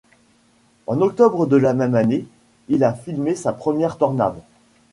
En octobre de la même année, il a filmé sa première tornade.